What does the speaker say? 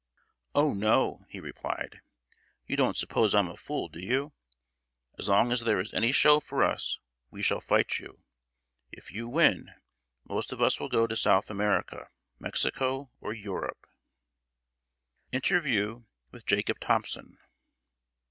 "Oh, no!" he replied, "you don't suppose I'm a fool, do you? As long as there is any show for us, we shall fight you. If you win, most of us will go to South America, Mexico, or Europe." [Sidenote: INTERVIEW WITH JACOB THOMPSON.